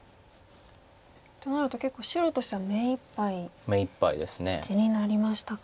となると結構白としては目いっぱい地になりましたか。